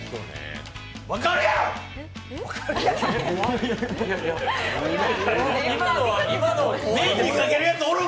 分かるやろ！